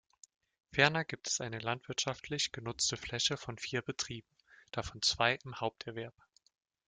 Ferner gibt es eine landwirtschaftlich genutzte Fläche von vier Betrieben, davon zwei im Haupterwerb.